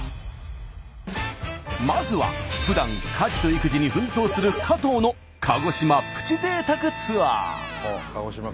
まずはふだん家事と育児に奮闘する加藤の鹿児島プチ贅沢ツアー。